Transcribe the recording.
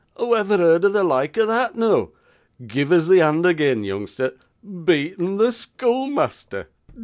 who ever heard o' the loike o' that noo! Giv' us thee hond agean, yoongster. Beatten the schoolmeasther!